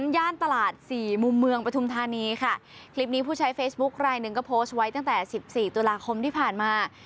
ย่านตลาดสี่มุมเมืองปฐุมธานีค่ะคลิปนี้ผู้ใช้เฟซบุ๊คลายหนึ่งก็โพสต์ไว้ตั้งแต่สิบสี่ตุลาคมที่ผ่านมา